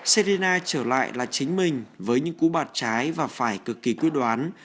crina trở lại là chính mình với những cú bạt trái và phải cực kỳ quyết đoán